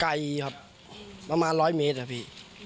ไกลครับประมาณ๑๐๐เมตรครับพี่